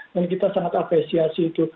dan kita sangat apresiasi itu